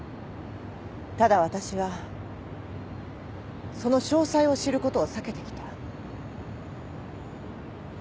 ただ私はその詳細を知ることを避けてきた。